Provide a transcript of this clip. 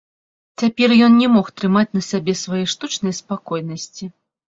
Цяпер ён не мог трымаць на сабе свае штучнае спакойнасці.